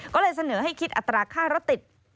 ก็เลยเสนอให้คิดอัตราค่ารถติด